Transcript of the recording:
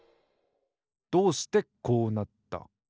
どうしてこうなった？